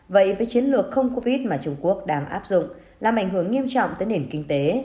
vậy với chiến lược không covid mà trung quốc đang áp dụng làm ảnh hưởng nghiêm trọng tới nền kinh tế